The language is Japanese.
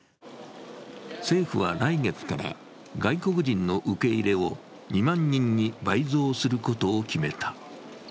政府は来月から外国人の受け入れを２万人に倍増することを決めた。